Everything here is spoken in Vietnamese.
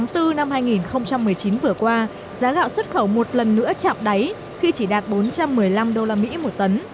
tháng bốn năm hai nghìn một mươi chín vừa qua giá gạo xuất khẩu một lần nữa chạm đáy khi chỉ đạt bốn trăm một mươi năm usd một tấn